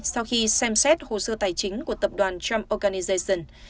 sau khi xem xét hồ sơ tài chính của tập đoàn trump organijation